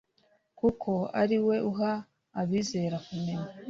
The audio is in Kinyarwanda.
kuko ari we uha abizera kumenya